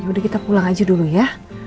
udah kita pulang aja dulu ya